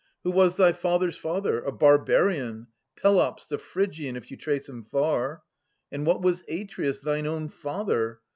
Who was thy father's father? A barbarian, Pelops, the Phrygian, if you trace him far ! And what was Atreus, thine own father?